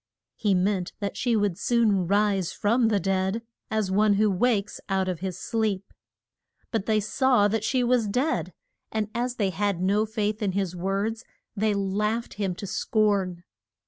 He meant that she would soon rise from the dead, as one who wakes out of his sleep. But they saw that she was dead, and as they had no faith in his words they laughed him to scorn.